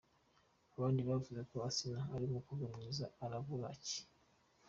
Abandi bavuze ko ‘Asinah ari umukobwa mwiza arabura iki?.